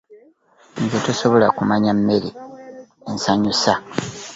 Nze tosobola kumanya mmere ensanyusa.